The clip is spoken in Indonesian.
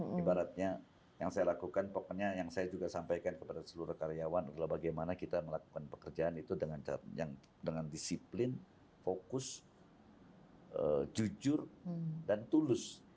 ibaratnya yang saya lakukan pokoknya yang saya juga sampaikan kepada seluruh karyawan adalah bagaimana kita melakukan pekerjaan itu dengan disiplin fokus jujur dan tulus